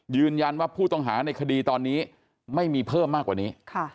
ยืนยันว่าผู้ต้องหาในคดีตอนนี้ไม่มีเพิ่มมากกว่านี้